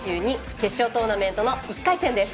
決勝トーナメントの１回戦です。